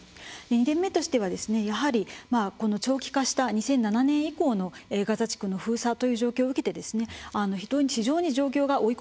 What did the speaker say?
２点目としてはやはりこの長期化した２００７年以降のガザ地区の封鎖という状況を受けて非常に状況が追い込まれている。